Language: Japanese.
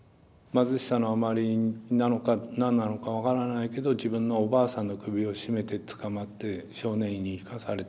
貧しさのあまりなのか何なのか分からないけど自分のおばあさんの首を絞めて捕まって少年院に行かされたって。